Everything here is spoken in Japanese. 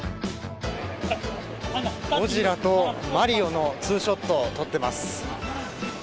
ゴジラとマリオのツーショットを撮っています。